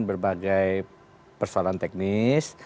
berbagai persoalan teknis